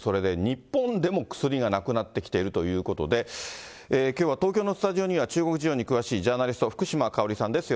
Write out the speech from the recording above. それで日本でも薬がなくなってきているということで、きょうは東京のスタジオには、中国事情に詳しいジャーナリスト、福島香織さんです。